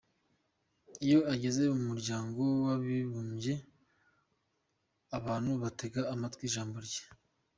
Iyo ageze mu Muryango w’Abibumbye abantu batega amatwi ijambo rye.